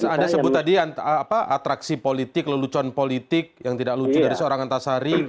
anda sebut tadi atraksi politik lelucon politik yang tidak lucu dari seorang antasari